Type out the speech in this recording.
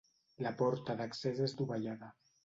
La porta d'accés és dovellada.